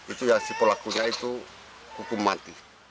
itu ya si pelakunya itu hukum mati